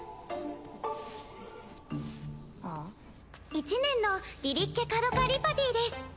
１年のリリッケ・カドカ・リパティです。